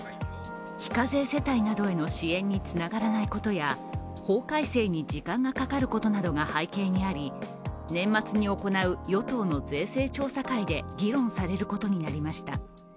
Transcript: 非課税世帯などへの支援につながらないことや法改正に時間がかかることなどが背景にあり年末に行う与党の税制調査会で議論されることになりました。